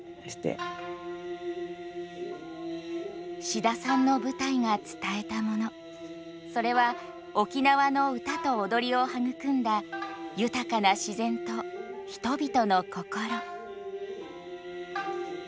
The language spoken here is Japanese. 志田さんの舞台が伝えたものそれは沖縄の歌と踊りを育んだ豊かな自然と人々の心。